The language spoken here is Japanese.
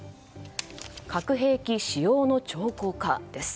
核兵器使用の兆候か。